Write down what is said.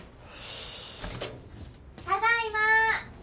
・ただいま！